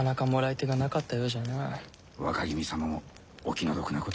若君様もお気の毒なことよ。